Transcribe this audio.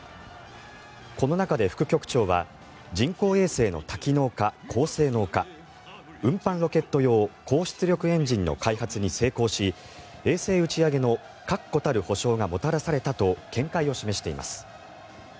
この中で副局長は人工衛星の多機能化、高性能化運搬ロケット用高出力エンジンの開発に成功し衛星打ち上げの確固たる保証がもたらされたと見解を示しています。